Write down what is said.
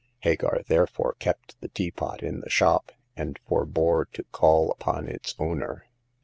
Hagar therefore kept the teapot in the shop, and forbore to call upon its owner.